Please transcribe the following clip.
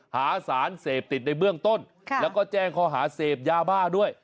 หาสารเสพติดในเบื้องต้นแล้วก็แจ้งข้อหาเสพยาบ้าด้วย